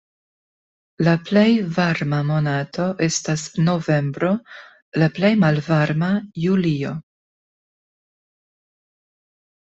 La plej varma monato estas novembro, la plej malvarma julio.